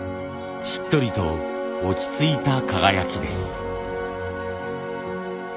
しっとりと落ち着いた輝きです。